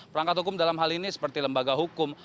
perangkat hukum dalam hal ini seperti lembaga hukum